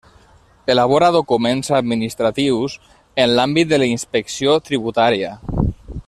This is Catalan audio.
Elabora documents administratius en l'àmbit de la inspecció tributària.